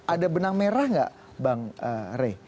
ada benang merah nggak bang rey